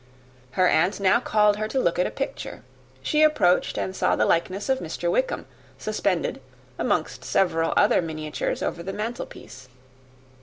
Her aunt now called her to look at a picture. She approached, and saw the likeness of Mr. Wickham, suspended, amongst several other miniatures, over the mantel piece.